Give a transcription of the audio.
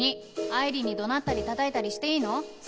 ２愛理に怒鳴ったりたたいたりしていいの？